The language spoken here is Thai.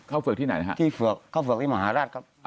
เข้าเฝือกที่ไหนนะครับเข้าเฝือกที่มหาราชครับ